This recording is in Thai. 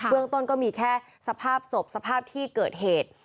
เรื่องต้นก็มีแค่สภาพศพสภาพที่เกิดเหตุ